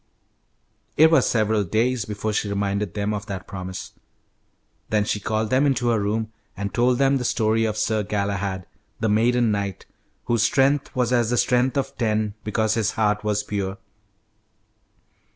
It was several days before she reminded them of that promise. Then she called them into her room and told them the story of Sir Galahad, the maiden knight, whose "strength was as the strength of ten because his heart was pure."